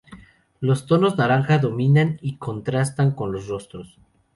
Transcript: Los tonos naranja dominan y contrastan con los rostros.